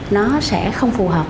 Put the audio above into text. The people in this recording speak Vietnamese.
nó sẽ không phù hợp